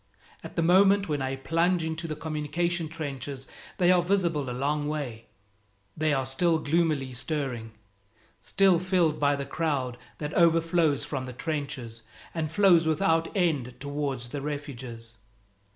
At the moment when I plunge into the communication trenches they are visible a long way; they are still gloomily stirring, still filled by the crowd that overflows from the trenches and flows without end towards the refuges.